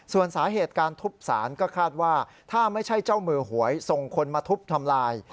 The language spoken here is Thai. ส่วนสาเหตุการทุบสารก็คาดว่าถ้าไม่ใช่เจ้ามือหวยส่งคนมาทุบทำลาย